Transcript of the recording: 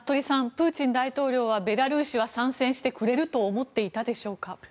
プーチン大統領は、ベラルーシは参戦してくれると思っていたでしょうか。